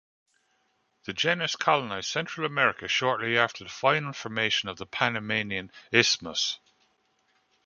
The genus colonized Central America shortly after the final formation of the Panamanian Isthmus.